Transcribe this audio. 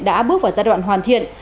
đã bước vào giai đoạn hoàn thiện